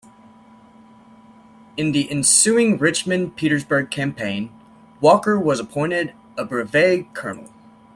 In the ensuing Richmond-Petersburg Campaign, Walker was appointed a brevet colonel.